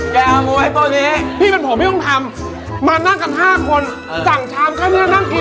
แกเอาไว้ตัวนี้พี่เป็นผมไม่ต้องทำมานั่งกัน๕คนสั่งชามข้าวเนื้อนั่งกิน